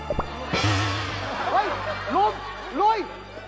เฮ้ยลุงลุย